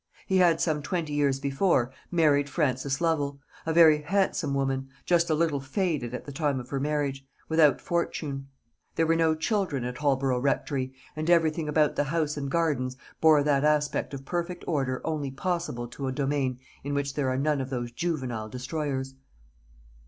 He had, some twenty years before, married Frances Lovel; a very handsome woman just a little faded at the time of her marriage without fortune. There were no children at Holborough Rectory, and everything about the house and gardens bore that aspect of perfect order only possible to a domain in which there are none of those juvenile destroyers.